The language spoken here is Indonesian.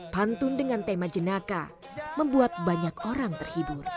pantun dengan tema jenaka membuat banyak orang terhibur